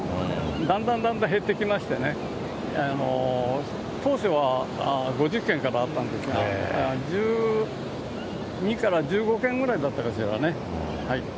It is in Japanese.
だんだんだんだん減ってきましてね、当初は５０軒からあったんですが、１２から１５軒ぐらいだったかしらね。